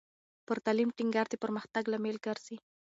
پر تعلیم ټینګار د پرمختګ لامل ګرځي.